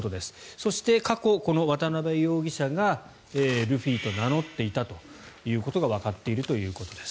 そして、過去この渡邉容疑者がルフィと名乗っていたということがわかっているということです。